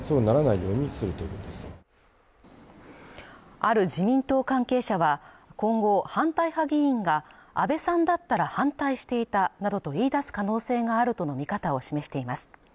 ある自民党関係者は今後反対派議員が安倍さんだったら反対していたなどと言い出す可能性があるとの見方を示しています